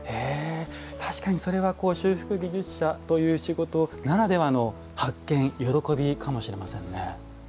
確かに、それは修復技術者という仕事ならではの発見、喜びかもしれませんね。